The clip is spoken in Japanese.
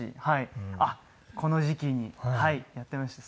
この時期にやっていました。